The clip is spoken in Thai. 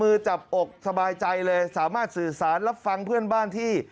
จับอกสบายใจเลยสามารถสื่อสารรับฟังเพื่อนบ้านที่